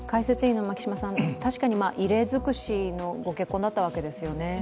確かに異例づくしの結婚になったわけですよね。